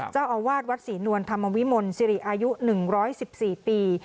เจ้าอาวาสวัดศรีนวลธรรมวิมลสิริอายุ๑๑๔ปี